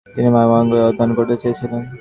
তিনি মানব অঙ্গগুলি অধ্যয়ন করতে চেয়েছিলেন।